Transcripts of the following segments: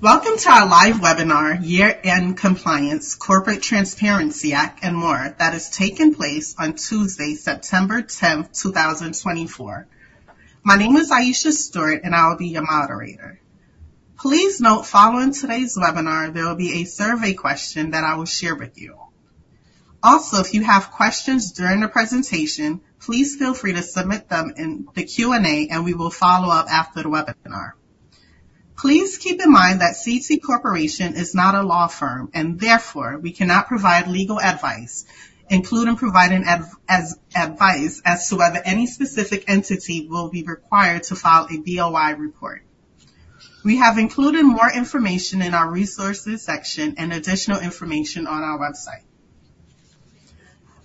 Welcome to our live webinar, Year-End Compliance, Corporate Transparency Act, and more that is taking place on Tuesday, September 10, 2024. My name is Aisha Stewart, and I'll be your moderator. Please note, following today's webinar, there will be a survey question that I will share with you. Also, if you have questions during the presentation, please feel free to submit them in the Q&A, and we will follow up after the webinar. Please keep in mind that CT Corporation, is not a law firm, and therefore, we cannot provide legal advice, including providing advice as to whether any specific entity will be required to file a BOI report. We have included more information in our resources section and additional information on our website.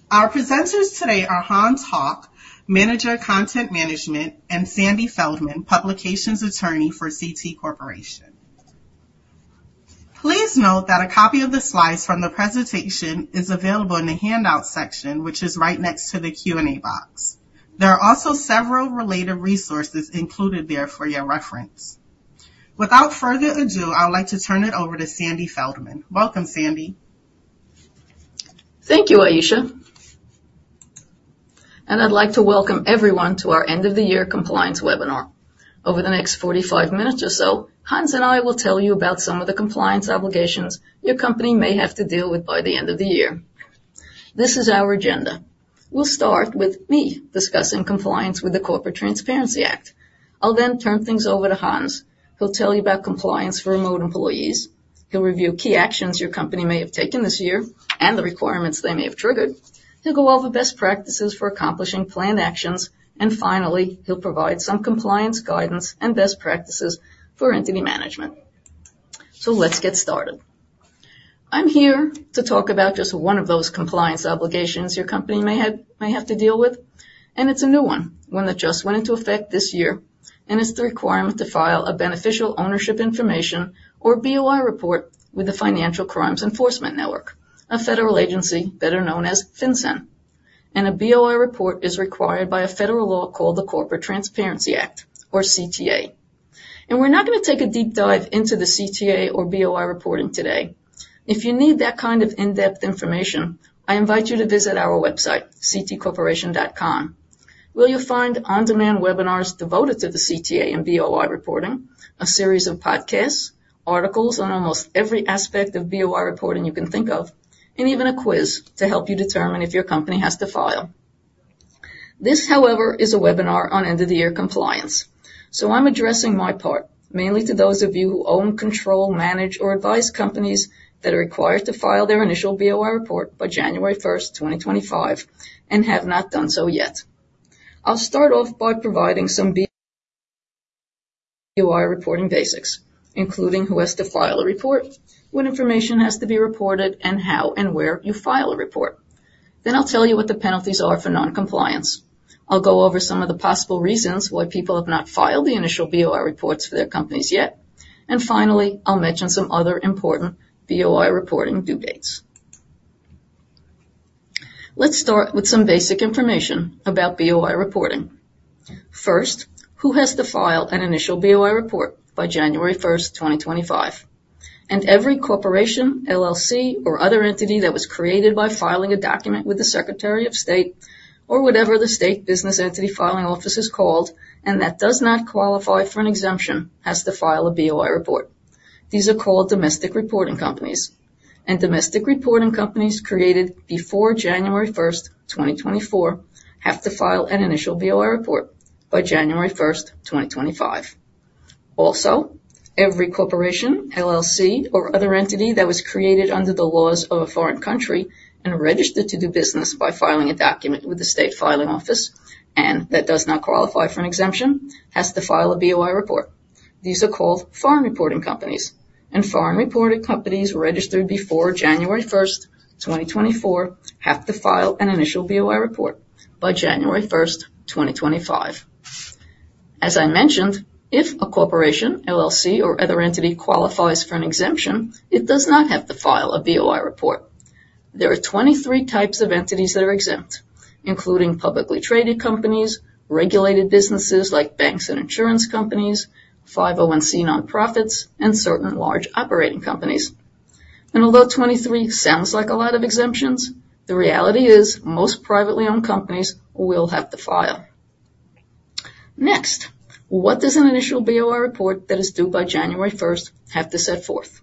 Our presenters today are Hans Howk, Manager of Content Management, and Sandy Feldman, Publications Attorney, for CT Corporation. Please note that a copy of the slides from the presentation is available in the handout section, which is right next to the Q&A box. There are also several related resources included there for your reference. Without further ado, I would like to turn it over to Sandy Feldman. Welcome, Sandy. Thank you, Aisha. I would like to welcome everyone to our end-of-the-year compliance webinar. Over the next 45 minutes or so, Hans, and I will tell you about some of the compliance obligations your company may have to deal with by the end of the year. This is our agenda. We will start with me discussing compliance with the Corporate Transparency Act. I will then turn things over to Hans. He will tell you about compliance for remote employees. He will review key actions your company may have taken this year and the requirements they may have triggered. He will go over best practices for accomplishing planned actions. Finally, he will provide some compliance guidance and best practices for entity management. Let's get started. I am here to talk about just one of those compliance obligations your company may have to deal with. It is a new one, one that just went into effect this year. It is the requirement to file a Beneficial Ownership Information or BOI report, with the Financial Crimes Enforcement Network, a federal agency better known as FinCEN. A BOI report, is required by a federal law called the Corporate Transparency Act, or CTA. We are not going to take a deep dive into the CTA or BOI reporting today. If you need that kind of in-depth information, I invite you to visit our website, ctcorporation.com, where you will find on-demand webinars devoted to the CTA and BOI reporting, a series of podcasts, articles on almost every aspect of BOI reporting, you can think of, and even a quiz to help you determine if your company has to file. This, however, is a webinar on end-of-the-year compliance. I'm addressing my part, mainly to those of you who own, control, manage, or advise companies that are required to file their initial BOI report, by January 1, 2025, and have not done so yet. I'll start off by providing some BOI reporting basics, including who has to file a report, what information has to be reported, and how and where you file a report. I'll tell you what the penalties are for non-compliance. I'll go over some of the possible reasons why people have not filed the initial BOI reports, for their companies yet. Finally, I'll mention some other important BOI reporting, due dates. Let's start with some basic information about BOI reporting. First, who has to file an initial BOI report, by January 1, 2025? Every corporation, LLC, or other entity that was created by filing a document with the Secretary of State, or whatever the state business entity filing office is called, and that does not qualify for an exemption, has to file a BOI report. These are called domestic reporting companies. Domestic reporting companies, created before January 1, 2024, have to file an initial BOI report, by January 1, 2025. Also, every corporation, LLC, or other entity that was created under the laws of a foreign country and registered to do business by filing a document with the state filing office and that does not qualify for an exemption has to file a BOI report. These are called foreign reporting companies. Foreign reporting companies, registered before January 1, 2024, have to file an initial BOI report, by January 1, 2025. As I mentioned, if a corporation, LLC, or other entity qualifies for an exemption, it does not have to file a BOI report. There are 23 types of entities, that are exempt, including publicly traded companies, regulated businesses like banks and insurance companies, 501(c) nonprofits, and certain large operating companies. Although 23, sounds like a lot of exemptions, the reality is most privately owned companies will have to file. Next, what does an initial BOI report, that is due by January 1, have to set forth?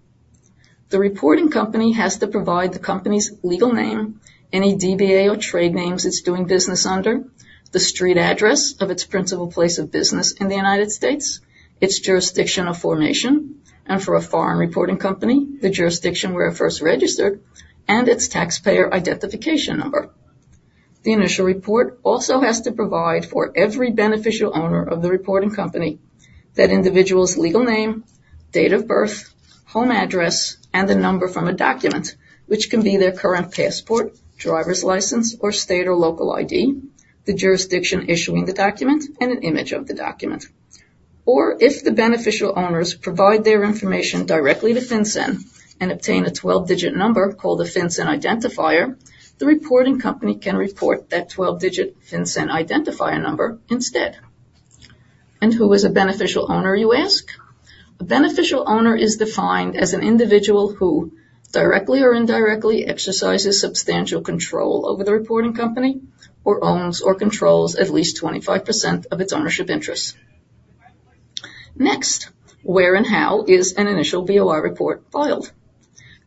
The reporting company has to provide the company's legal name, any DBA or trade names, it's doing business under, the street address of its principal place of business in the United States, its jurisdiction of formation, and for a foreign reporting company, the jurisdiction where it first registered, and its taxpayer identification number. The initial report also has to provide for every beneficial owner of the reporting company that individual's legal name, date of birth, home address, and a number from a document, which can be their current passport, driver's license, or state or local ID, the jurisdiction issuing the document, and an image of the document. If the beneficial owners provide their information directly to FinCEN, and obtain a 12-digit number called a FinCEN identifier, the reporting company can report that 12-digit FinCEN identifier number instead. Who is a beneficial owner, you ask? A beneficial owner, is defined as an individual who directly or indirectly exercises substantial control over the reporting company or owns or controls at least 25%, of its ownership interests. Next, where and how is an initial BOI report filed?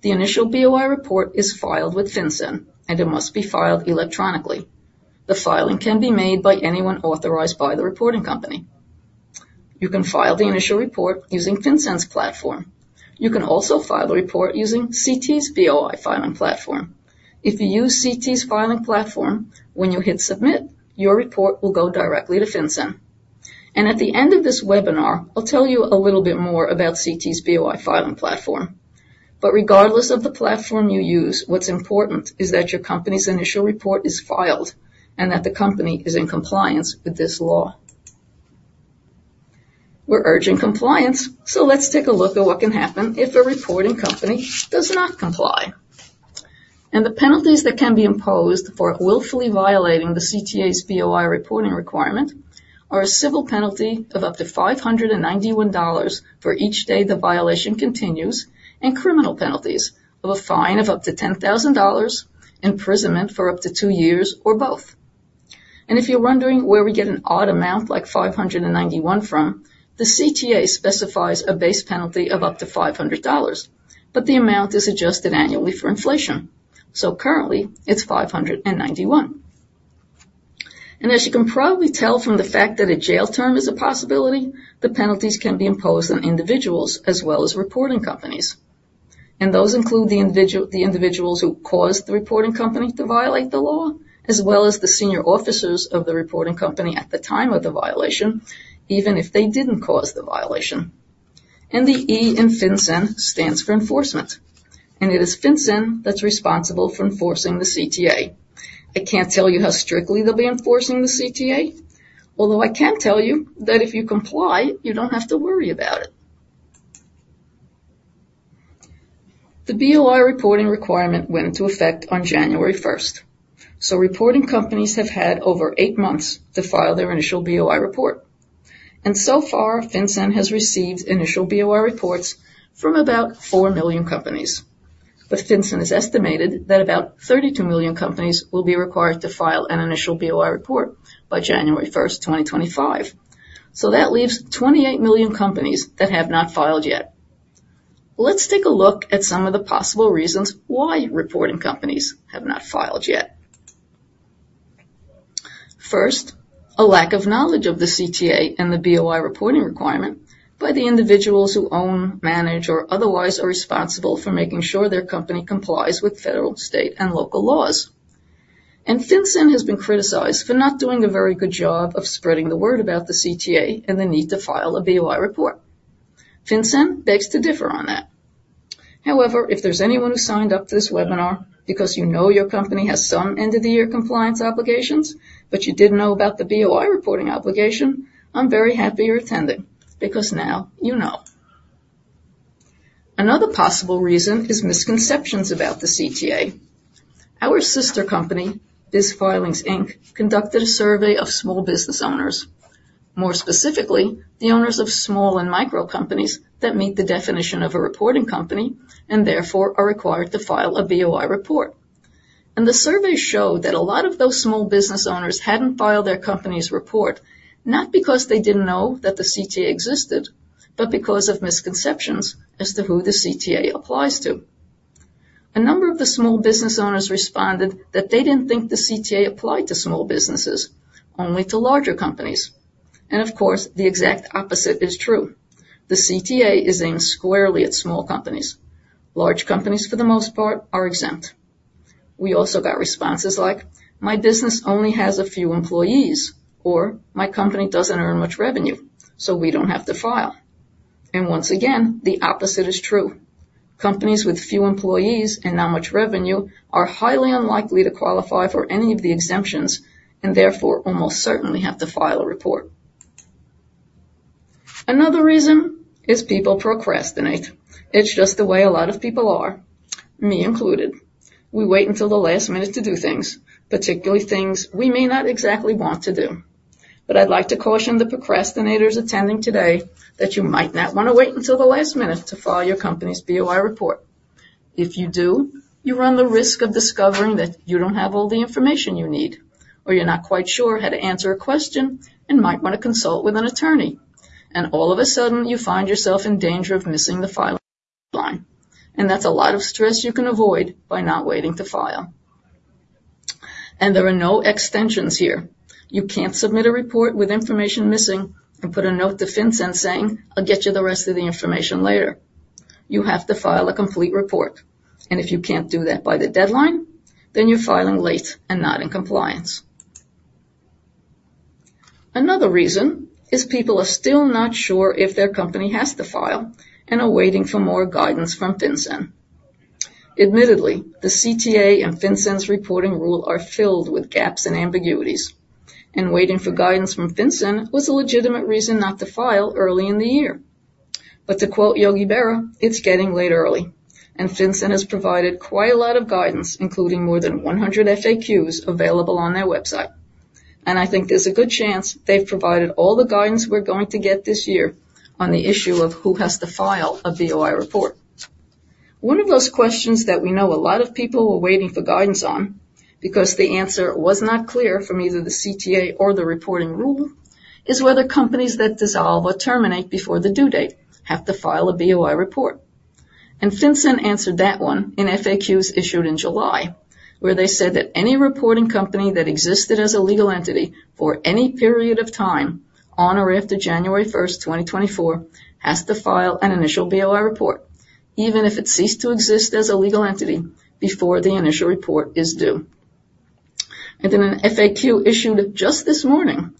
The initial BOI report, is filed with FinCEN, and it must be filed electronically. The filing can be made by anyone authorized by the reporting company. You can file the initial report using FinCEN's platform. You can also file the report using CT's BOI filing platform. If you use CT's filing platform, when you hit submit, your report will go directly to FinCEN. At the end of this webinar, I'll tell you a little bit more about CT's BOI filing platform. Regardless of the platform you use, what's important is that your company's initial report is filed and that the company is in compliance with this law. We're urging compliance, so let's take a look at what can happen if a reporting company does not comply. The penalties that can be imposed for willfully violating CTA's BOI reporting requirement, are a civil penalty of up to $591 for each day, the violation continues and criminal penalties of a fine of up to $10,000, imprisonment, for up to two years, or both. If you're wondering where we get an odd amount like $591 from, the CTA specifies a base penalty of up to $500, but the amount is adjusted annually for inflation. Currently, it's $591. As you can probably tell from the fact that a jail term, is a possibility, the penalties can be imposed on individuals as well as reporting companies. Those include the individuals who caused the reporting company to violate the law, as well as the senior officers of the reporting company at the time of the violation, even if they didn't cause the violation. The E, in FinCEN, stands for enforcement. It is FinCEN, that's responsible for enforcing the CTA. I can't tell you how strictly they'll be enforcing the CTA, although I can tell you that if you comply, you don't have to worry about it. The BOI reporting requirement, went into effect on January 1. Reporting companies, have had over eight months, to file their initial BOI report. So far, FinCEN, has received initial BOI reports, from about 4 million companies. FinCEN, has estimated that about 32 million companies, will be required to file an initial BOI report, by January 1, 2025. That leaves 28 million companies, that have not filed yet. Let's take a look at some of the possible reasons why reporting companies have not filed yet. First, a lack of knowledge of the CTA and the BOI reporting requirement, by the individuals who own, manage, or otherwise are responsible for making sure their company complies with federal, state, and local laws. FinCEN, has been criticized for not doing a very good job of spreading the word about the CTA, and the need to file a BOI report. FinCEN, begs to differ on that. However, if there's anyone who signed up for this webinar because you know your company has some end-of-the-year compliance obligations, but you didn't know about the BOI reporting, obligation, I'm very happy you're attending because now you know. Another possible reason is misconceptions about the CTA. Our sister company, BizFilings, conducted a survey of small business owners, more specifically, the owners of small and micro companies that meet the definition of a reporting company and therefore are required to file a BOI report. The survey showed that a lot of those small business owners had not filed their company's report, not because they did not know that the CTA existed, but because of misconceptions as to who the CTA, applies to. A number of the small business owners responded that they did not think the CTA, applied to small businesses, only to larger companies. The exact opposite is true. The CTA, is aimed squarely at small companies. Large companies, for the most part, are exempt. We also got responses like, "My business only has a few employees," or, "My company doesn't earn much revenue, so we don't have to file." Once again, the opposite is true. Companies with few employees and not much revenue are highly unlikely to qualify for any of the exemptions and therefore almost certainly have to file a report. Another reason is people procrastinate. It's just the way a lot of people are, me included. We wait until the last minute to do things, particularly things we may not exactly want to do. I'd like to caution the procrastinators attending today that you might not want to wait until the last minute to file your company's BOI report. If you do, you run the risk of discovering that you don't have all the information you need, or you're not quite sure how to answer a question and might want to consult with an attorney. All of a sudden, you find yourself in danger of missing the filing deadline. That's a lot of stress you can avoid by not waiting to file. There are no extensions here. You can't submit a report with information missing and put a note to FinCEN, saying, "I'll get you the rest of the information later." You have to file a complete report. If you can't do that by the deadline, then you're filing late and not in compliance. Another reason is people are still not sure if their company has to file and are waiting for more guidance from FinCEN. Admittedly, the CTA and FinCEN's reporting rule, are filled with gaps and ambiguities. Waiting for guidance from FinCEN, was a legitimate reason not to file early in the year. To quote Yogi Berra, "It's getting late early". FinCEN, has provided quite a lot of guidance, including more than 100 FAQs available on their website. I think there's a good chance they've provided all the guidance we're going to get this year on the issue of who has to file a BOI report. One of those questions that we know a lot of people were waiting for guidance on, because the answer was not clear from either the CTA, or the reporting rule, is whether companies that dissolve or terminate before the due date have to file a BOI report. FinCEN, answered that one in FAQs issued in July, where they said that any reporting company that existed as a legal entity for any period of time on or after January 1, 2024, has to file an initial BOI report, even if it ceased to exist as a legal entity before the initial report is due. In an FAQ issued, just this morning,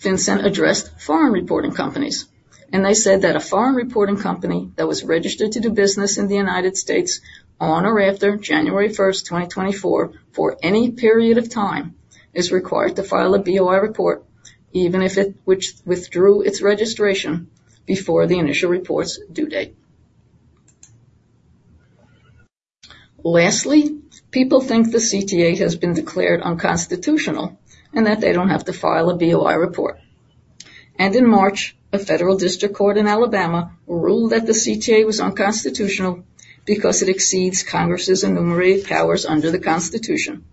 FinCEN, addressed foreign reporting companies. They said that a foreign reporting company that was registered to do business in the United States, on or after January 1, 2024, for any period of time is required to file a BOI report, even if it withdrew its registration before the initial report's due date. Lastly, people think the CTA, has been declared unconstitutional and that they don't have to file a BOI report. In March, a federal district court in Alabama ruled, that the CTA, was unconstitutional because it exceeds Congress's enumerated powers under the Constitution.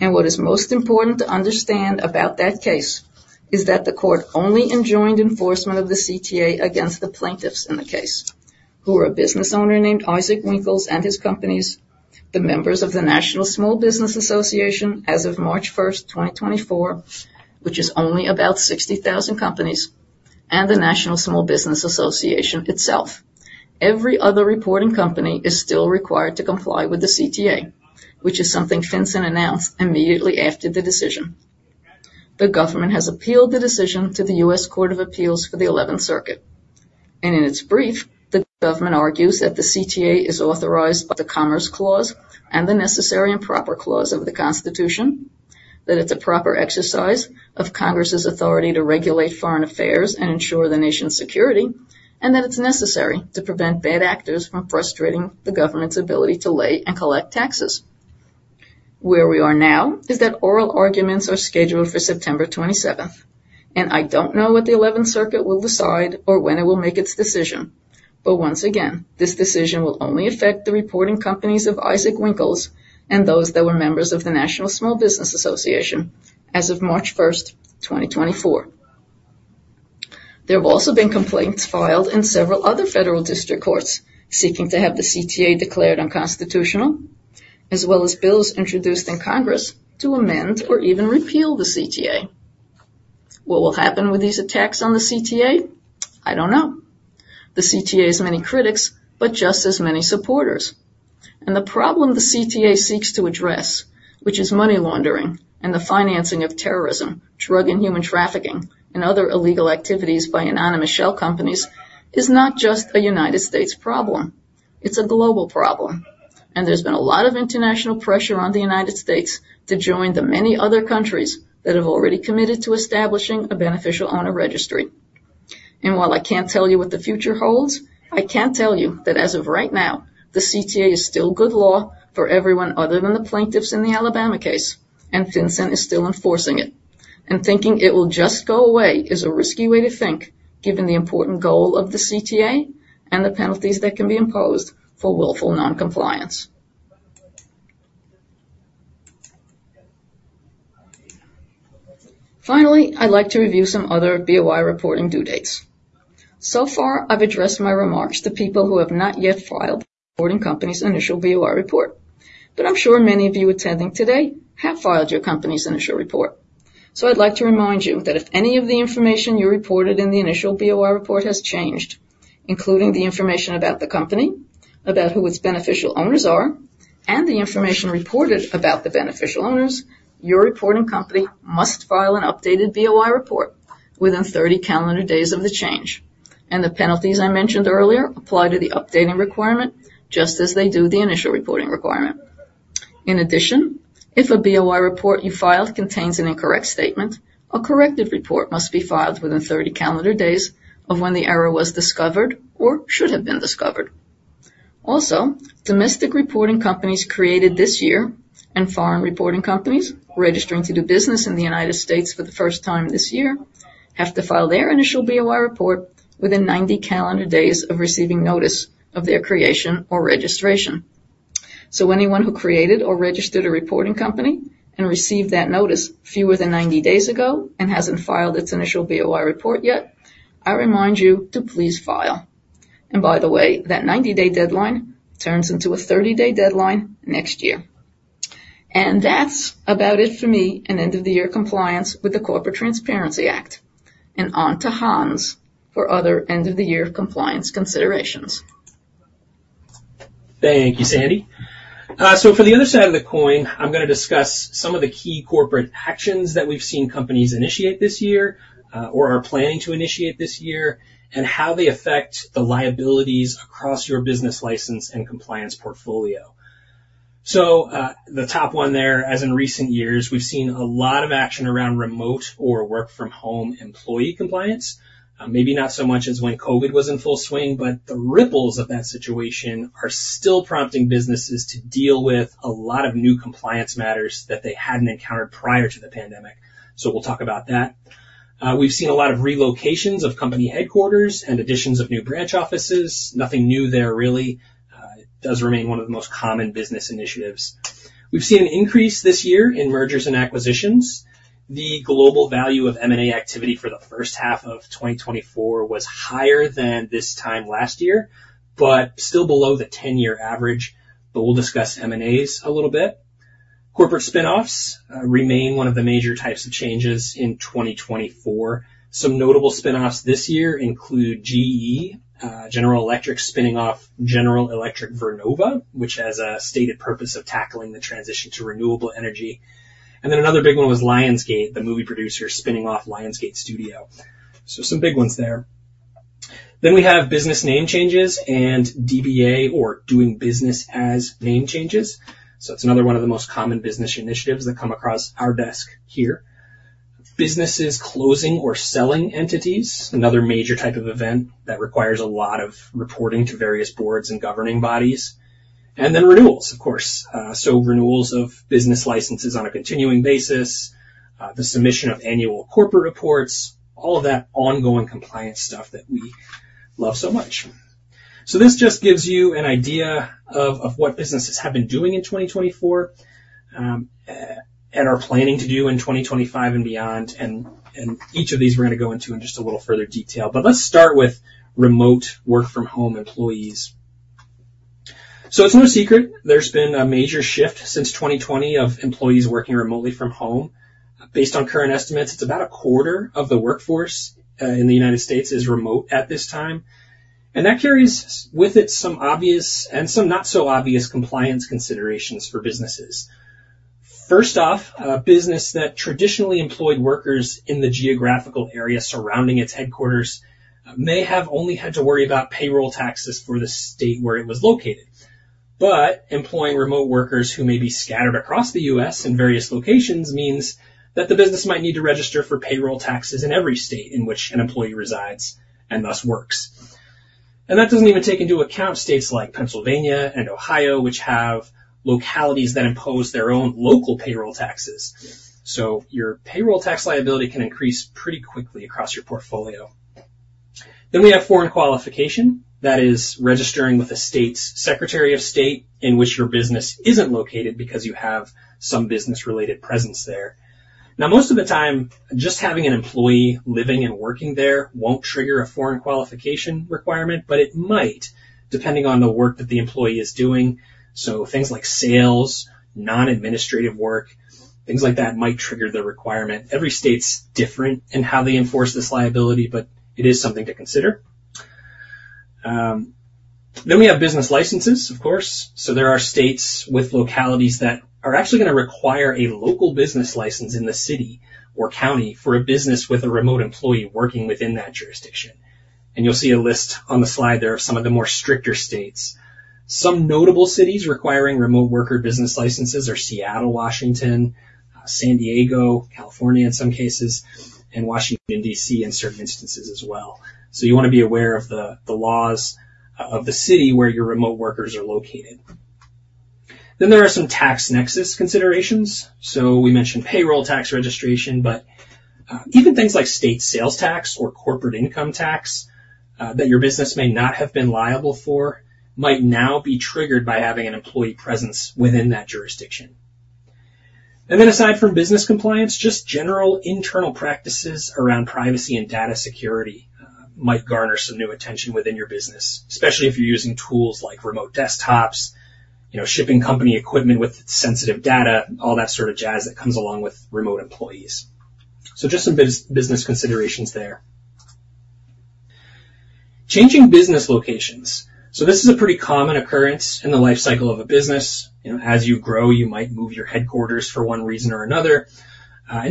What is most important to understand about that case is that the court only enjoined enforcement of the CTA, against the plaintiffs in the case, who were a business owner named Isaac Winkles, and his companies, the members of the National Small Business Association, as of March 1, 2024, which is only about 60,000 companies, and the National Small Business Association itself. Every other reporting company is still required to comply with the CTA, which is something FinCEN, announced immediately after the decision. The government has appealed the decision to the U.S. Court of Appeals, for the 11th Circuit. In its brief, the government argues that the CTA, is authorized by the Commerce Clause, and the necessary and proper clause of the Constitution, that it's a proper exercise of Congress's authority, to regulate foreign affairs and ensure the nation's security, and that it's necessary to prevent bad actors from frustrating the government's ability to lay and collect taxes. Where we are now is that oral arguments, are scheduled for September 27. I don't know what the 11th Circuit, will decide or when it will make its decision. Once again, this decision will only affect the reporting companies of Isaac Winkles, and those that were members of the National Small Business Association, as of March 1, 2024. There have also been complaints filed in several other federal district courts seeking to have the CTA, declared unconstitutional, as well as bills introduced in Congress, to amend or even repeal the CTA. What will happen with these attacks on the CTA? I don't know. The CTA, has many critics, but just as many supporters. The problem the CTA, seeks to address, which is money laundering and the financing of terrorism, drug and human trafficking, and other illegal activities by anonymous shell companies, is not just a United States problem. It's a global problem. There's been a lot of international pressure on the United States to join the many other countries that have already committed to establishing a beneficial owner registry. While I can't tell you what the future holds, I can tell you that as of right now, the CTA, is still good law for everyone other than the plaintiffs in the Alabama case. FinCEN, is still enforcing it. Thinking it will just go away is a risky way to think, given the important goal of the CTA, and the penalties that can be imposed for willful non-compliance. Finally, I'd like to review some other BOI reporting, due dates. So far, I've addressed my remarks to people who have not yet filed the reporting company's initial BOI report. I'm sure many of you attending today have filed your company's initial report. I would like to remind you that if any of the information you reported in the initial BOI report, has changed, including the information about the company, about who its beneficial owners are, and the information reported about the beneficial owners, your reporting company must file an updated BOI report, within 30 calendar days, of the change. The penalties I mentioned earlier apply to the updating requirement just as they do the initial reporting requirement. In addition, if a BOI report, you filed contains an incorrect statement, a corrected report must be filed within 30 calendar days, of when the error was discovered or should have been discovered. Also, domestic reporting companies, created this year and foreign reporting companies registering to do business in the United States, for the first time this year have to file their initial BOI report, within 90 calendar days, of receiving notice of their creation or registration. Anyone who created or registered a reporting company and received that notice fewer than 90 days ago and hasn't filed its initial BOI report yet, I remind you to please file. By the way, that 90-day deadline turns into a 30-day deadline next year. That is about it for me and end-of-the-year compliance with the Corporate Transparency Act. On to Hans for other end-of-the-year compliance considerations. Thank you, Sandy. For the other side of the coin, I'm going to discuss some of the key corporate actions that we've seen companies initiate this year or are planning to initiate this year and how they affect the liabilities across your business license and compliance portfolio. The top one there, as in recent years, we've seen a lot of action around remote or work-from-home employee compliance. Maybe not so much as when COVID was in full swing, but the ripples of that situation are still prompting businesses to deal with a lot of new compliance matters that they hadn't encountered prior to the pandemic. We'll talk about that. We've seen a lot of relocations of company headquarters and additions of new branch offices. Nothing new there, really. It does remain one of the most common business initiatives. We've seen an increase this year in mergers and acquisitions. The global value of M&A activity, for the first half of 2024, was higher than this time last year, but still below the 10-year average. We'll discuss M&As a little bit. Corporate spinoffs, remain one of the major types of changes in 2024. Some notable spinoffs this year include General Electric, spinning off General Electric Vernova, which has a stated purpose of tackling the transition to renewable energy. Another big one was Lionsgate, the movie producer spinning off Lionsgate Studio. Some big ones there. We have business name changes and DBA, or doing business as name changes. It's another one of the most common business initiatives that come across our desk here. Businesses closing or selling entities, another major type of event that requires a lot of reporting to various boards and governing bodies. Renewals, of course. Renewals of business licenses on a continuing basis, the submission of annual corporate reports, all of that ongoing compliance stuff that we love so much. This just gives you an idea of what businesses have been doing in 2024, and are planning to do in 2025 and beyond. Each of these we are going to go into in just a little further detail. Let's start with remote work-from-home employees. It is no secret there has been a major shift since 2020 of employees working remotely from home. Based on current estimates, it is about a quarter of the workforce in the United States is remote at this time. That carries with it some obvious and some not-so-obvious compliance considerations for businesses. First off, a business that traditionally employed workers in the geographical area surrounding its headquarters may have only had to worry about payroll taxes for the state where it was located. Employing remote workers who may be scattered across the U.S. in various locations means that the business might need to register for payroll taxes, in every state in which an employee resides and thus works. That does not even take into account states like Pennsylvania and Ohio, which have localities that impose their own local payroll taxes. Your payroll tax liability, can increase pretty quickly across your portfolio. We have foreign qualification. That is registering with the state's Secretary of State, in which your business is not located because you have some business-related presence there. Now, most of the time, just having an employee living and working there won't trigger a foreign qualification requirement, but it might, depending on the work that the employee is doing. Things like sales, non-administrative work, things like that might trigger the requirement. Every state's different in how they enforce this liability, but it is something to consider. We have business licenses, of course. There are states with localities that are actually going to require a local business license in the city or county for a business with a remote employee working within that jurisdiction. You'll see a list on the slide there of some of the more stricter states. Some notable cities requiring remote worker business licenses are Seattle, Washington, San Diego, California, in some cases, and Washington D.C., in certain instances as well. You want to be aware of the laws of the city where your remote workers are located. There are some tax nexus considerations. We mentioned payroll tax registration, but even things like state sales tax, or corporate income tax, that your business may not have been liable for might now be triggered by having an employee presence within that jurisdiction. Aside from business compliance, just general internal practices around privacy and data security might garner some new attention within your business, especially if you're using tools like remote desktops, shipping company equipment with sensitive data, all that sort of jazz that comes along with remote employees. Just some business considerations there. Changing business locations. This is a pretty common occurrence in the life cycle of a business. As you grow, you might move your headquarters for one reason or another.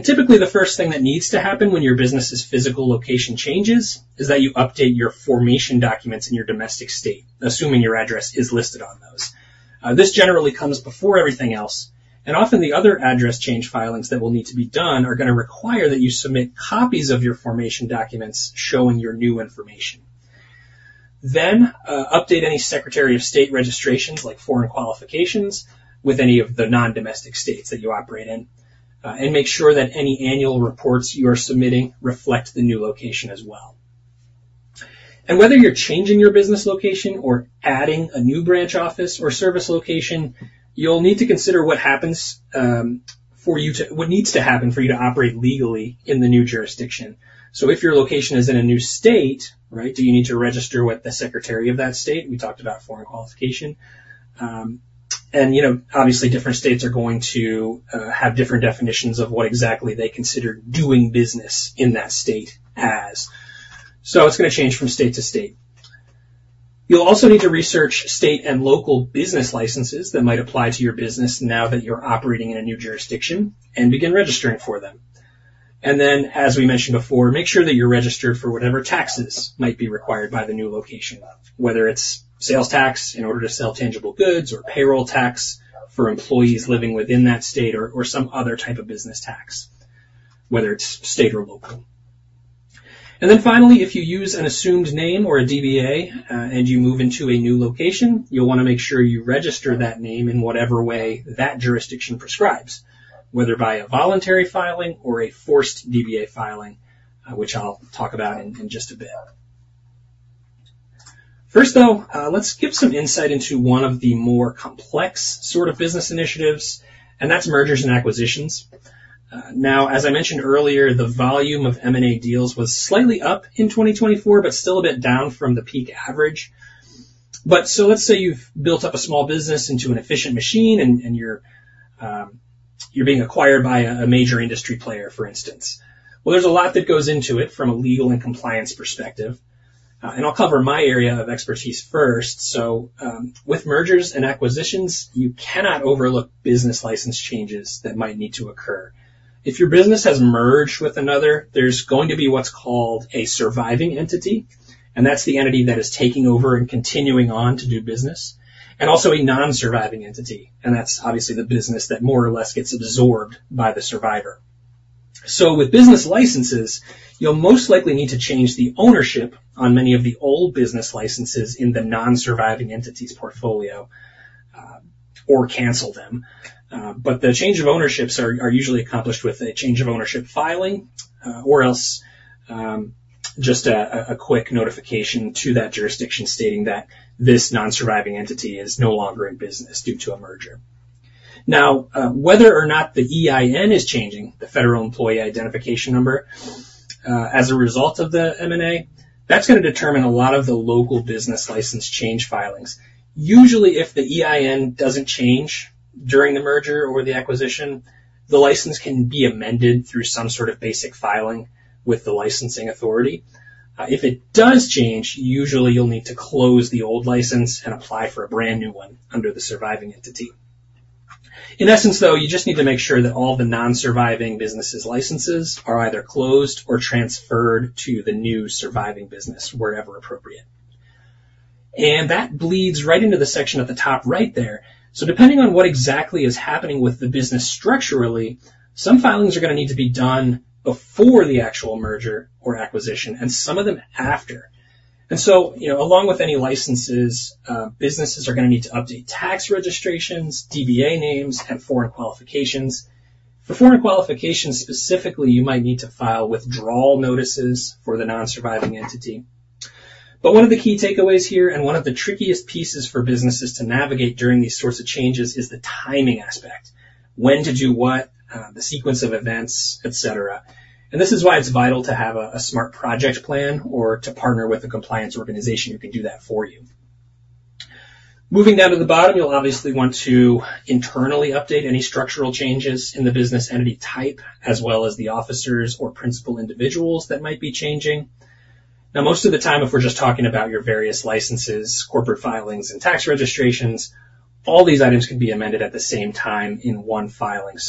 Typically, the first thing that needs to happen when your business's physical location changes is that you update your formation documents in your domestic state, assuming your address is listed on those. This generally comes before everything else. Often, the other address change filings that will need to be done are going to require that you submit copies of your formation documents showing your new information. Update any Secretary of State registrations, like foreign qualifications with any of the non-domestic states that you operate in. Make sure that any annual reports, you are submitting reflect the new location as well. Whether you're changing your business location or adding a new branch office or service location, you'll need to consider what needs to happen for you to operate legally in the new jurisdiction. If your location is in a new state, right, do you need to register with the Secretary of that state? We talked about foreign qualification. Obviously, different states are going to have different definitions of what exactly they consider doing business in that state as. It is going to change from state to state. You'll also need to research state and local business licenses, that might apply to your business now that you're operating in a new jurisdiction and begin registering for them. As we mentioned before, make sure that you're registered for whatever taxes might be required by the new location, whether it's sales tax, in order to sell tangible goods or payroll tax, for employees living within that state or some other type of business tax, whether it's state or local. Finally, if you use an assumed name or a DBA, and you move into a new location, you'll want to make sure you register that name in whatever way that jurisdiction prescribes, whether by a voluntary filing, or a forced DBA filing, which I'll talk about in just a bit. First, though, let's give some insight into one of the more complex sort of business initiatives, and that's mergers and acquisitions. As I mentioned earlier, the volume of M&A deals, was slightly up in 2024, but still a bit down from the peak average. Let's say you've built up a small business, into an efficient machine and you're being acquired by a major industry player, for instance. There's a lot that goes into it from a legal and compliance perspective. I'll cover my area of expertise first. With mergers and acquisitions, you cannot overlook business license changes that might need to occur. If your business has merged with another, there's going to be what's called a surviving entity. That's the entity, that is taking over and continuing on to do business, and also a non-surviving entity. That's obviously the business that more or less gets absorbed by the survivor. With business licenses, you'll most likely need to change the ownership, on many of the old business licenses, in the non-surviving entity's portfolio or cancel them. The change of ownerships, are usually accomplished with a change of ownership filing or just a quick notification to that jurisdiction stating that this non-surviving entity, is no longer in business due to a merger. Now, whether or not the EIN is changing, though Employee Identification Number, as a result of the M&A, that's going to determine a lot of the local business license change filings. Usually, if the EIN doesn't change during the merger or the acquisition, the license can be amended through some sort of basic filing with the licensing authority. If it does change, usually you'll need to close the old license and apply for a brand new one under the surviving entity. In essence, though, you just need to make sure that all the non-surviving businesses' licenses, are either closed or transferred to the new surviving business wherever appropriate. That bleeds right into the section at the top right there. Depending on what exactly is happening with the business structurally, some filings are going to need to be done before the actual merger or acquisition and some of them after. Along with any licenses, businesses are going to need to update tax registrations, DBA names, and foreign qualifications. For foreign qualifications specifically, you might need to file withdrawal notices for the non-surviving entity. One of the key takeaways here and one of the trickiest pieces for businesses to navigate during these sorts of changes is the timing aspect, when to do what, the sequence of events, etc. This is why it's vital to have a smart project plan or to partner with a compliance organization who can do that for you. Moving down to the bottom, you'll obviously want to internally update any structural changes in the business entity type as well as the officers or principal individuals that might be changing. Now, most of the time, if we're just talking about your various licenses, corporate filings, and tax registrations, all these items can be amended at the same time in one filing. It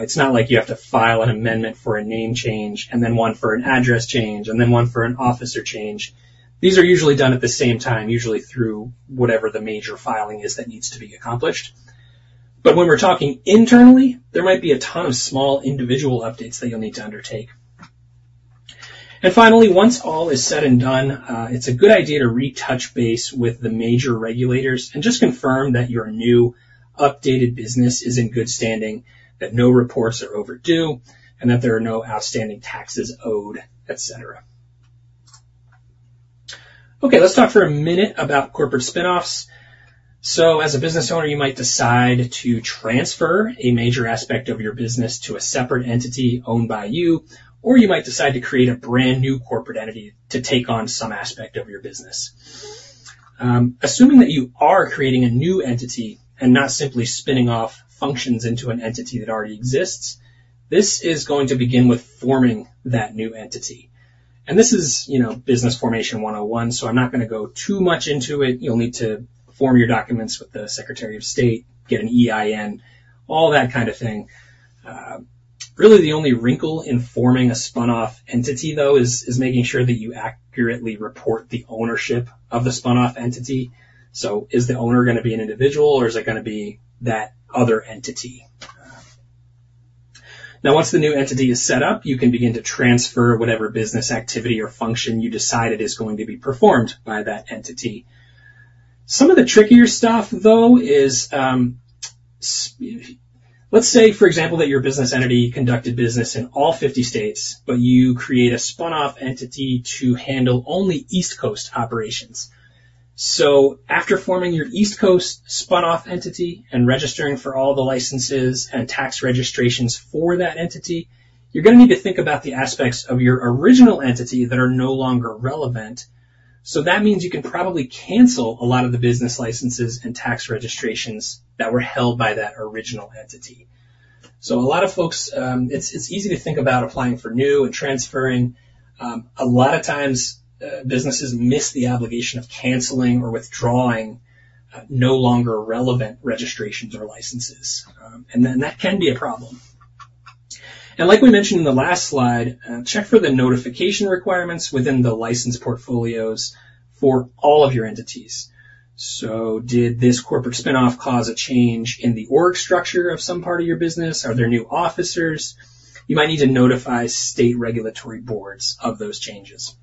is not like you have to file an amendment for a name change, and then one for an address change, and then one for an officer change. These are usually done at the same time, usually through whatever the major filing, is that needs to be accomplished. When we're talking internally, there might be a ton of small individual updates that you'll need to undertake. Finally, once all is said and done, it's a good idea to retouch base with the major regulators and just confirm that your new updated business is in good standing, that no reports are overdue, and that there are no outstanding taxes owed, etc. Okay, let's talk for a minute about corporate spinoffs. As a business owner, you might decide to transfer a major aspect of your business to a separate entity owned by you, or you might decide to create a brand new corporate entity, to take on some aspect of your business. Assuming that you are creating a new entity and not simply spinning off functions into an entity that already exists, this is going to begin with forming that new entity. This is business formation 101, so I'm not going to go too much into it. You'll need to form your documents with the Secretary of State, get an EIN, all that kind of thing. Really, the only wrinkle in forming a spinoff entity, though, is making sure that you accurately report the ownership of the spinoff entity. Is the owner going to be an individual, or is it going to be that other entity? Once the new entity is set up, you can begin to transfer whatever business activity or function you decide is going to be performed by that entity. Some of the trickier stuff, though, is let's say, for example, that your business entity conducted business in all 50 states, but you create a spinoff entity to handle only East Coast operations. After forming your East Coast spinoff entity, and registering for all the licenses and tax registrations, for that entity, you're going to need to think about the aspects of your original entity that are no longer relevant. That means you can probably cancel a lot of the business licenses and tax registrations, that were held by that original entity. A lot of folks, it's easy to think about applying for new and transferring. A lot of times, businesses miss the obligation of canceling or withdrawing no longer relevant registrations or licenses. That can be a problem. Like we mentioned in the last slide, check for the notification requirements within the license portfolios for all of your entities. Did this corporate spinoff cause a change in the org structure of some part of your business? Are there new officers? You might need to notify state regulatory boards of those changes.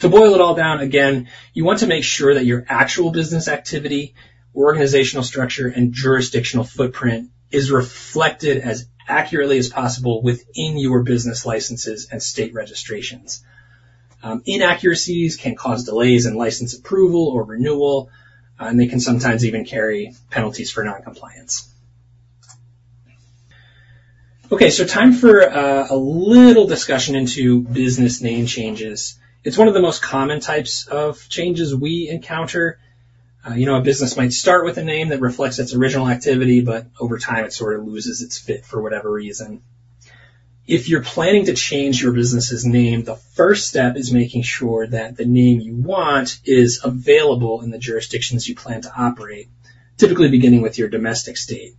To boil it all down, again, you want to make sure that your actual business activity, organizational structure, and jurisdictional footprint is reflected as accurately as possible within your business licenses and state registrations. Inaccuracies can cause delays in license approval or renewal, and they can sometimes even carry penalties for non-compliance. Okay, time for a little discussion into business name changes. It's one of the most common types of changes we encounter. A business might start with a name that reflects its original activity, but over time, it sort of loses its fit for whatever reason. If you're planning to change your business's name, the first step is making sure that the name you want is available in the jurisdictions you plan to operate, typically beginning with your domestic state.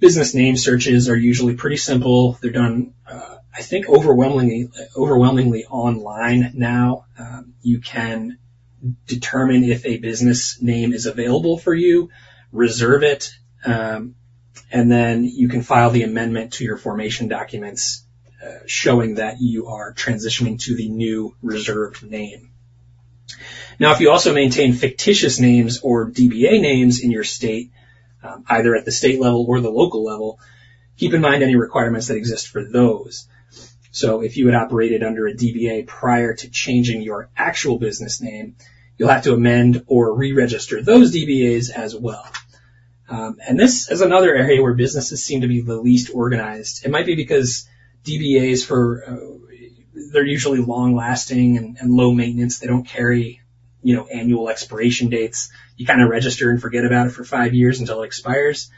Business name searches, are usually pretty simple. They're done, I think, overwhelmingly online now. You can determine if a business name is available for you, reserve it, and then you can file the amendment to your formation documents showing that you are transitioning to the new reserved name. If you also maintain fictitious names or DBA names, in your state, either at the state level or the local level, keep in mind any requirements that exist for those. If you had operated under a DBA, prior to changing your actual business name, you'll have to amend or re-register those DBAs, as well. This is another area where businesses seem to be the least organized. It might be because DBAs, they're usually long-lasting and low maintenance. They don't carry annual expiration dates. You kind of register, and forget about it for five years until it expires.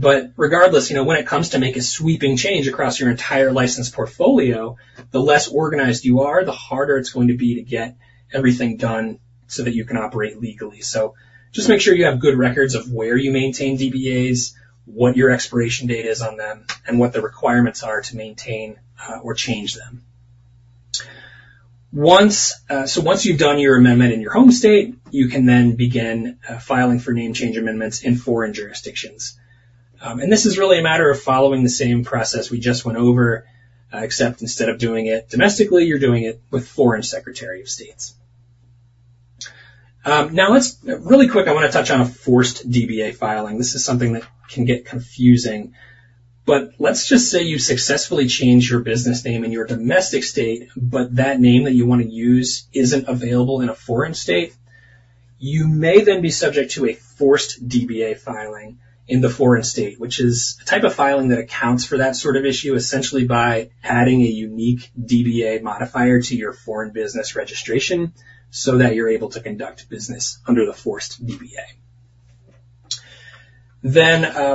Regardless, when it comes to making a sweeping change across your entire license portfolio, the less organized you are, the harder it's going to be to get everything done so that you can operate legally. Just make sure you have good records of where you maintain DBAs, what your expiration date is on them, and what the requirements are to maintain or change them. Once you've done your amendment in your home state, you can then begin filing for name change amendments in foreign jurisdictions. This is really a matter of following the same process we just went over, except instead of doing it domestically, you're doing it with foreign secretary of states. Now, really quick, I want to touch on a forced DBA filing. This is something that can get confusing. Let's just say you successfully change your business name in your domestic state, but that name that you want to use isn't available in a foreign state. You may then be subject to a forced DBA filing, in the foreign state, which is a type of filing that accounts for that sort of issue essentially by adding a unique DBA modifier, to your foreign business registration so that you're able to conduct business under the forced DBA.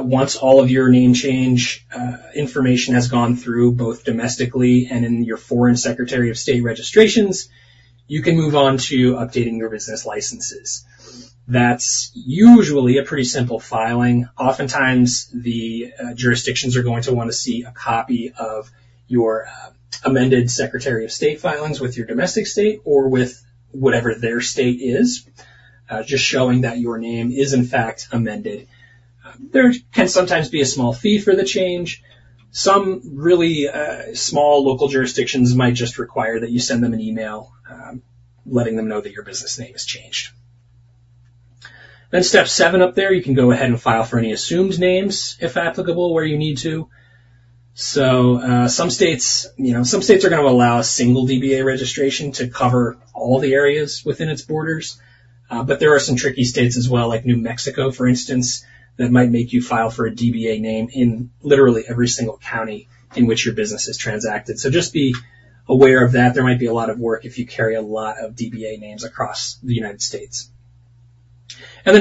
Once all of your name change information has gone through both domestically and in your foreign secretary of state registrations, you can move on to updating your business licenses. That's usually a pretty simple filing. Oftentimes, the jurisdictions are going to want to see a copy of your amended secretary of state filings with your domestic state or with whatever their state is, just showing that your name is, in fact, amended. There can sometimes be a small fee, for the change. Some really small local jurisdictions might just require that you send them an email letting them know that your business name is changed. Step seven up there, you can go ahead and file for any assumed names, if applicable, where you need to. Some states are going to allow a single DBA registration, to cover all the areas within its borders. There are some tricky states as well, like New Mexico, for instance, that might make you file for a DBA name, in literally every single county in which your business is transacted. Just be aware of that. There might be a lot of work if you carry a lot of DBA names, across the United States.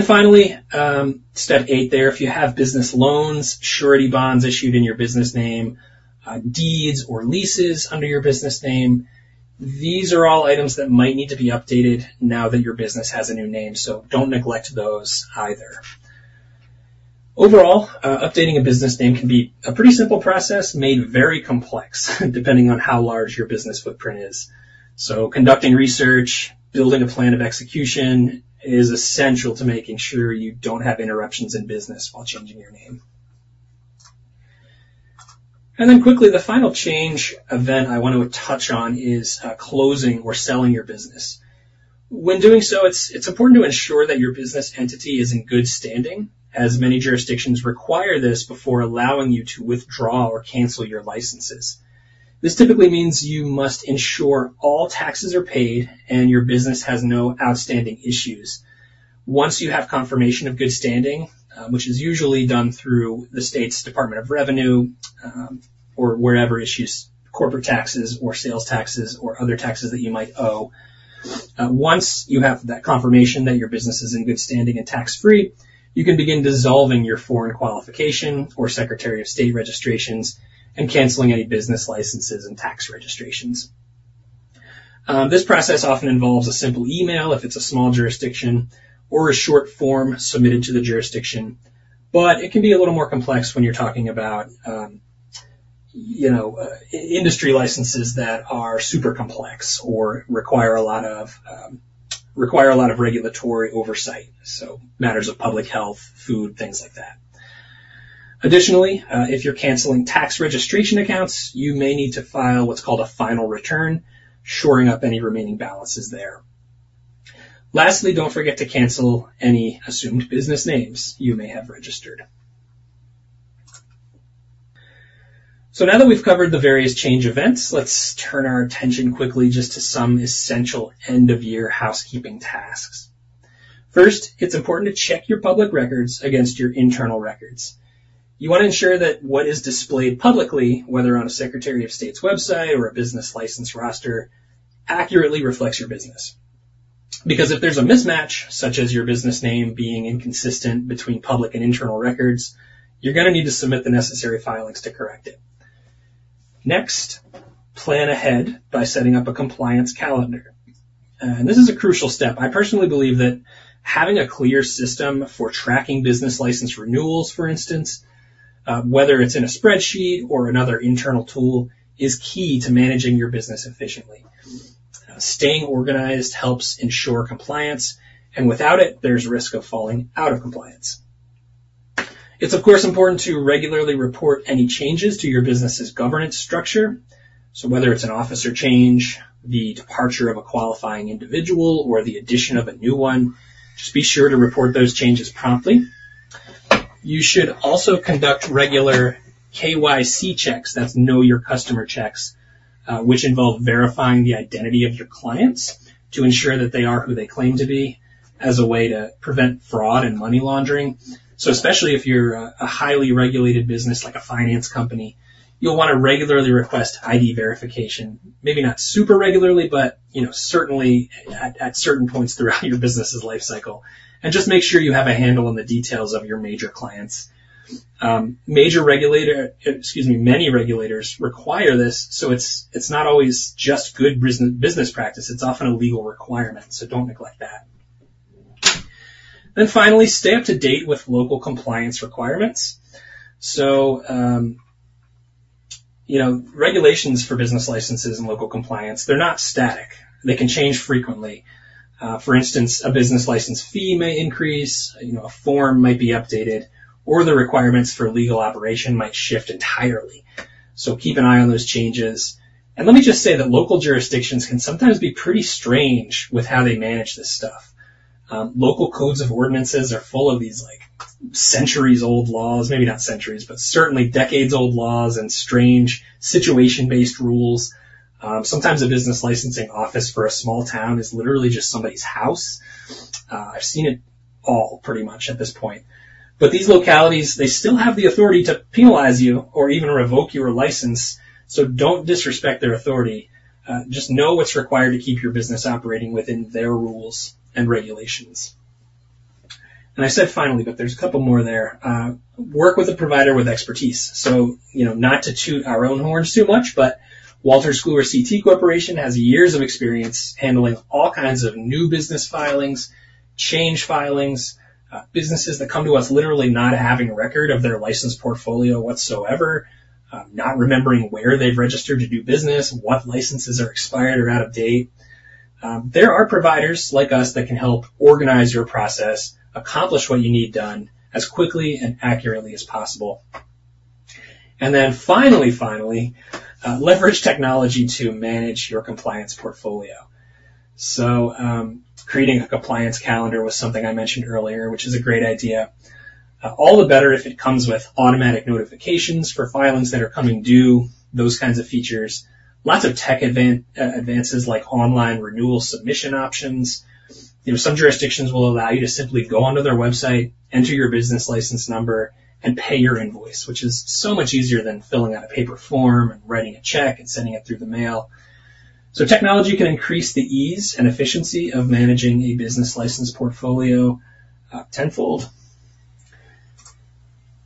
Finally, step eight there, if you have business loans, surety bonds, issued in your business name, deeds or leases under your business name, these are all items that might need to be updated now that your business has a new name. Do not neglect those either. Overall, updating a business name can be a pretty simple process made very complex depending on how large your business footprint is. Conducting research, building a plan of execution is essential to making sure you do not have interruptions in business while changing your name. Quickly, the final change event I want to touch on is closing or selling your business. When doing so, it's important to ensure that your business entity is in good standing, as many jurisdictions require this before allowing you to withdraw or cancel your licenses. This typically means you must ensure all taxes are paid and your business has no outstanding issues. Once you have confirmation of good standing, which is usually done through the state's Department of Revenue, or wherever issues corporate taxes or sales taxes or other taxes, that you might owe, once you have that confirmation that your business is in good standing and tax-free, you can begin dissolving your foreign qualification, or secretary of state registrations and canceling any business licenses and tax registrations. This process often involves a simple email if it's a small jurisdiction or a short form submitted to the jurisdiction. It can be a little more complex when you're talking about industry licenses, that are super complex or require a lot of regulatory oversight, so matters of public health, food, things like that. Additionally, if you're canceling tax registration accounts, you may need to file what's called a final return, shoring up any remaining balances there. Lastly, don't forget to cancel any assumed business names you may have registered. Now that we've covered the various change events, let's turn our attention quickly just to some essential end-of-year housekeeping tasks. First, it's important to check your public records against your internal records. You want to ensure that what is displayed publicly, whether on a secretary of state's website or a business license roster, accurately reflects your business. Because if there's a mismatch, such as your business name being inconsistent between public and internal records, you're going to need to submit the necessary filings to correct it. Next, plan ahead by setting up a compliance calendar. This is a crucial step. I personally believe that having a clear system for tracking business license renewals, for instance, whether it's in a spreadsheet or another internal tool, is key to managing your business efficiently. Staying organized helps ensure compliance, and without it, there's risk of falling out of compliance. It's, of course, important to regularly report any changes to your business's governance structure. Whether it's an officer change, the departure of a qualifying individual, or the addition of a new one, just be sure to report those changes promptly. You should also conduct regular KYC checks. That's Know Your Customer checks, which involve verifying the identity of your clients, to ensure that they are who they claim to be as a way to prevent fraud and money laundering. Especially if you're a highly regulated business, like a finance company, you'll want to regularly request ID verification, maybe not super regularly, but certainly at certain points throughout your business's lifecycle. Just make sure you have a handle on the details of your major clients. Major regulator, excuse me, many regulators require this. It's not always just good business practice. It's often a legal requirement. Don't neglect that. Finally, stay up to date with local compliance requirements. Regulations for business licenses and local compliance, they're not static. They can change frequently. For instance, a business license fee may increase, a form might be updated, or the requirements for legal operation might shift entirely. Keep an eye on those changes. Let me just say that local jurisdictions can sometimes be pretty strange with how they manage this stuff. Local codes of ordinances are full of these centuries-old laws, maybe not centuries, but certainly decades-old laws and strange situation-based rules. Sometimes a business licensing office for a small town is literally just somebody's house. I have seen it all pretty much at this point. These localities still have the authority to penalize you or even revoke your license. Do not disrespect their authority. Just know what is required to keep your business operating within their rules and regulations. I said finally, but there is a couple more there. Work with a provider with expertise. Not to toot our own horns too much, but Wolters Kluwer CT Corporation, has years of experience handling all kinds of new business filings, change filings, businesses that come to us literally not having a record of their license portfolio whatsoever, not remembering where they've registered to do business, what licenses are expired or out of date. There are providers like us that can help organize your process, accomplish what you need done as quickly and accurately as possible. Finally, finally, leverage technology to manage your compliance portfolio. Creating a compliance calendar was something I mentioned earlier, which is a great idea. All the better if it comes with automatic notifications for filings that are coming due, those kinds of features, lots of tech advances like online renewal submission options. Some jurisdictions will allow you to simply go onto their website, enter your business license number, and pay your invoice, which is so much easier than filling out a paper form and writing a check and sending it through the mail. Technology, can increase the ease and efficiency of managing a business license portfolio tenfold.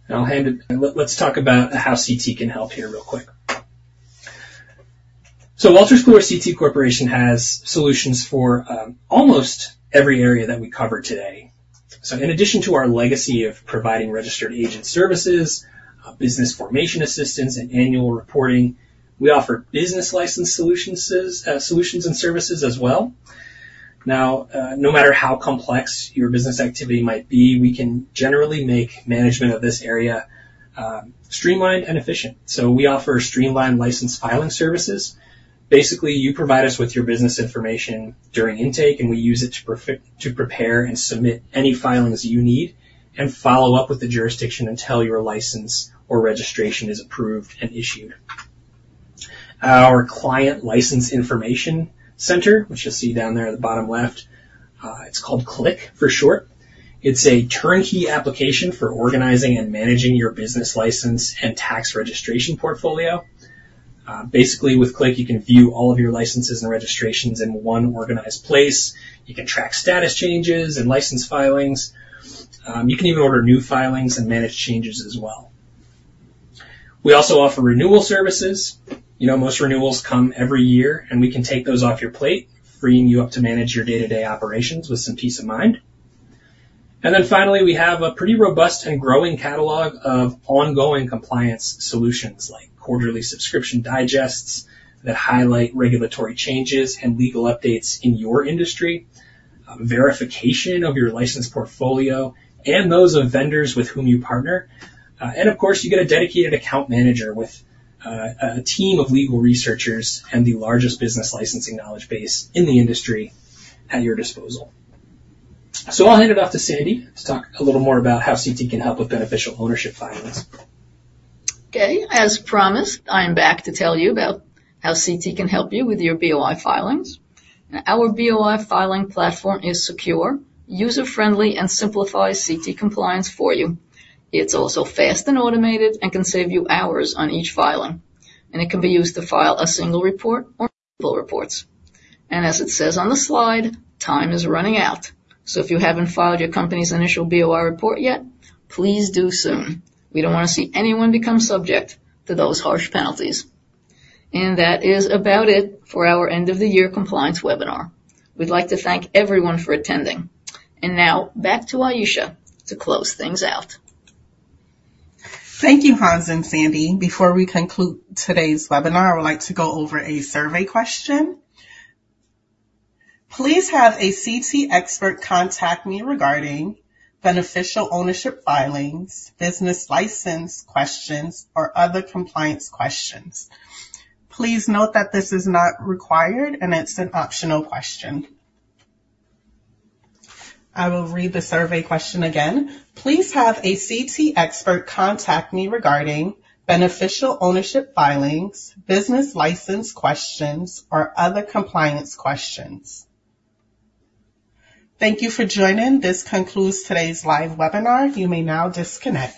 Let's talk about how CT, can help here real quick. Wolters Kluwer CT Corporation, has solutions for almost every area that we cover today. In addition to our legacy of providing registered agent services, business formation assistance, and annual reporting, we offer business license solutions and services as well. No matter how complex your business activity might be, we can generally make management of this area streamlined and efficient. We offer streamlined license filing services. Basically, you provide us with your business information during intake, and we use it to prepare and submit any filings you need and follow up with the jurisdiction until your license or registration is approved and issued. Our Client License Information Center, which you'll see down there at the bottom left, it's called CLICK for short. It's a turnkey application for organizing and managing your business license and tax registration portfolio. Basically, with CLICK, you can view all of your licenses and registrations in one organized place. You can track status changes and license filings. You can even order new filings and manage changes as well. We also offer renewal services. Most renewals come every year, and we can take those off your plate, freeing you up to manage your day-to-day operations with some peace of mind. We have a pretty robust and growing catalog of ongoing compliance solutions like quarterly subscription digests that highlight regulatory changes and legal updates in your industry, verification of your license portfolio, and those of vendors with whom you partner. Of course, you get a dedicated account manager with a team of legal researchers and the largest business licensing knowledge base in the industry at your disposal. I'll hand it off to Sandy, to talk a little more about how CT, can help with beneficial ownership filings. Okay. As promised, I'm back to tell you about how CT, can help you with your BOI filings. Our BOI filing platform, is secure, user-friendly, and simplifies CT, compliance for you. It's also fast and automated and can save you hours on each filing. It can be used to file a single report or multiple reports. As it says on the slide, time is running out. If you haven't filed your company's initial BOI report yet, please do soon. We don't want to see anyone become subject to those harsh penalties. That is about it for our end-of-the-year compliance webinar. We'd like to thank everyone for attending. Now back to Aisha to close things out. Thank you, Hans and Sandy. Before we conclude today's webinar, I would like to go over a survey question. Please have a CT expert, contact me regarding beneficial ownership filings, business license questions, or other compliance questions. Please note that this is not required, and it's an optional question. I will read the survey question again. Please have a CT expert, contact me regarding beneficial ownership filings, business license questions, or other compliance questions. Thank you for joining. This concludes today's live webinar. You may now disconnect.